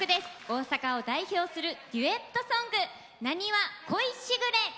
大阪を代表するデュエットソング「浪花恋しぐれ」。